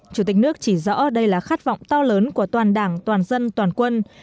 chủ tịch nước chỉ rõ đây là khát vọng to lớn của toàn đảng toàn dân toàn quân